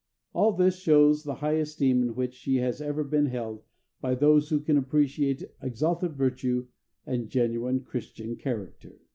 All this shows the high esteem in which she has ever been held by those who can appreciate exalted virtue and genuine Christian character.